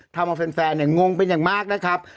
ทำให้แฟนงงไปอย่างมากนะครับ